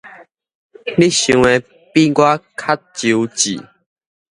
你想的比我較周至